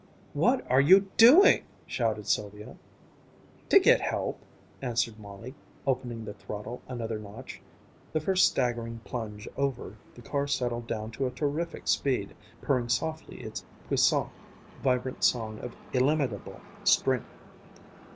"What are you doing?" shouted Sylvia. "To get help," answered Molly, opening the throttle another notch. The first staggering plunge over, the car settled down to a terrific speed, purring softly its puissant vibrant song of illimitable strength.